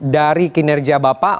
dari kinerja bapak